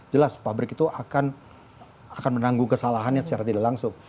jelas pabrik itu akan menanggung kesalahannya secara tidak langsung